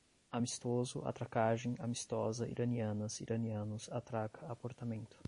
Amistoso, atracagem, amistosa, iranianas, iranianos, atraca, aportamento